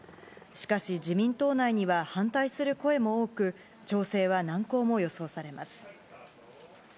しかし自民党内には反対する声も多く、調整は難航も予想されます。